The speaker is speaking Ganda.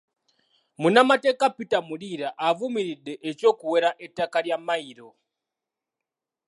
Munnamateeka Peter Muliira avumiridde eky'okuwera ettaka lya Mmayiro .